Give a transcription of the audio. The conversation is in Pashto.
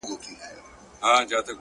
o د لېوني څخه ئې مه غواړه، مې ورکوه.